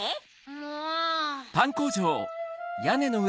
もう。